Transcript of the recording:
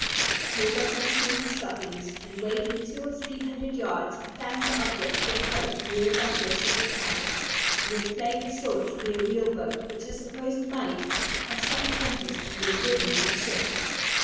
I pulled off my shoes and stockings, and, wading two or three hundred yards, I found the object to approach nearer by force of the tide; and then plainly saw it to be a real boat, which I supposed might, by some tempest, have been driven from a ship.